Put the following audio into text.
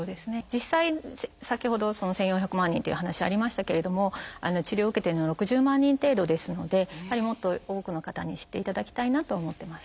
実際先ほど１，４００万人っていう話ありましたけれども治療を受けてるのは６０万人程度ですのでもっと多くの方に知っていただきたいなと思ってます。